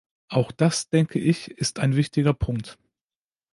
Auch das, denke ich, ist ein wichtiger Punkt.